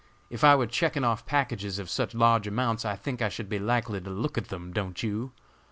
If I were checking off packages of such large amounts I think I should be likely to look at them, don't you?